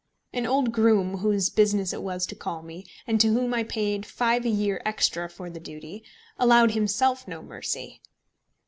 An old groom, whose business it was to call me, and to whom I paid £5 a year extra for the duty, allowed himself no mercy.